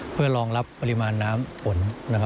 เพื่อรองรับปริมาณน้ำฝน